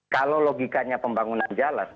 kalau logikanya pembangunan jalan